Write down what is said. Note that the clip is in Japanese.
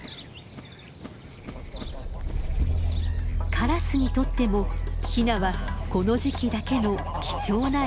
カラスにとってもヒナはこの時期だけの貴重な獲物です。